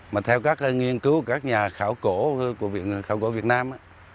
mà theo các nghiên cứu của các nhà khảo cổ của viện khảo cổ việt nam